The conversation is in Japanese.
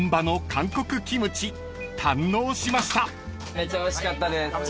めっちゃおいしかったです。